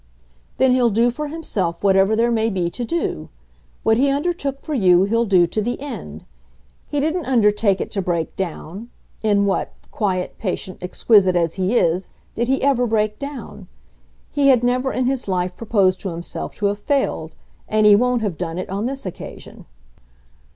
"Then he'll do for himself whatever there may be to do. What he undertook for you he'll do to the end. He didn't undertake it to break down; in what quiet, patient, exquisite as he is did he ever break down? He had never in his life proposed to himself to have failed, and he won't have done it on this occasion."